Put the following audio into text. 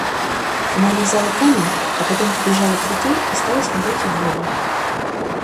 Она лизала камень, а потом побежала к реке и стала смотреть в воду.